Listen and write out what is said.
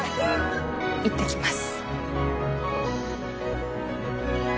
行ってきます。